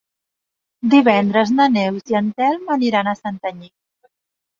Divendres na Neus i en Telm aniran a Santanyí.